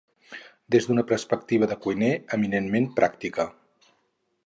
des d'una perspectiva de cuiner, eminentment pràctica